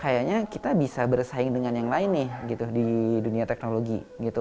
kayaknya kita bisa bersaing dengan yang lain nih gitu di dunia teknologi gitu